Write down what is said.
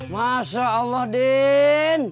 masya allah din